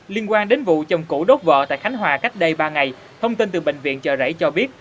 liên quan đến vụ chồng cũ đốt vợ tại khánh hòa cách đây ba ngày thông tin từ bệnh viện chợ rẫy cho biết